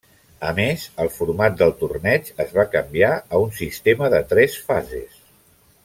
A més, el format del torneig es va canviar a un sistema de tres fases.